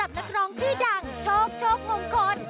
นักร้องชื่อดังโชคโชคมงคล